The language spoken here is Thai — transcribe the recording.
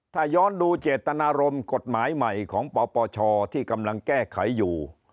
ถ้าย้อนดูเจตนารมณ์กฎหมายใหม่ของปปชที่กำลังแก้ไขอยู่